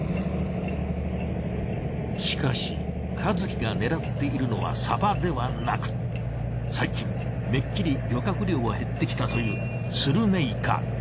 しかし和喜が狙っているのはサバではなく最近めっきり漁獲量が減ってきたというスルメイカ。